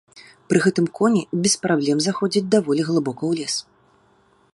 Пры гэтым коні без праблем заходзяць даволі глыбока ў лес.